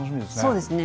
そうですね。